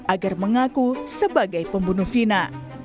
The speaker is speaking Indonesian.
agar mengaku sebagai pembunuh vina